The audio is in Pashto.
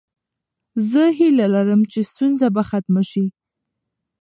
زه هیله لرم چې ستونزې به ختمې شي.